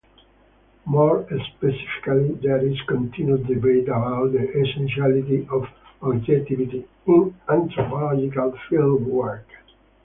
More specifically, there is continued debate about the essentiality of objectivity in anthropological fieldwork.